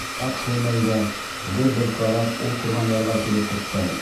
Тап шул мәлдә ҙур бер карап ул торған ярға килеп туҡтай.